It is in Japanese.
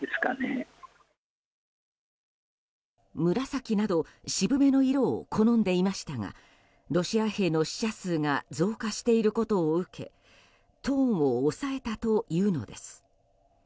紫など渋めの色を好んでいましたがロシア兵の死者数が増加していることを受けトーンを抑えたというのです。